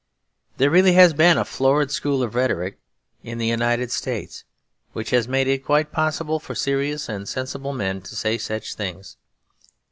There really has been a florid school of rhetoric in the United States which has made it quite possible for serious and sensible men to say such things.